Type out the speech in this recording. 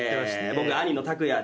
僕兄の卓也で。